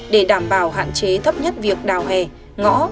để đảm bảo hạn chế thấp nhất việc đào hè ngõ